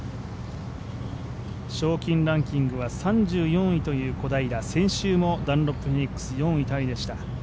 賞金ランキングは３４位という小平、先週もダンロップフェニックス４位タイでした。